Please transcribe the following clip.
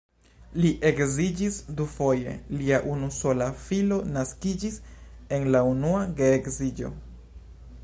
Li edziĝis dufoje, lia unusola filo naskiĝis en la unua geedziĝo.